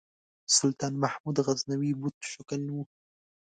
سلطان محمود غزنوي بُت شکن و.